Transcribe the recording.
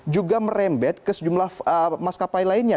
juga merembet ke sejumlah maskapai lainnya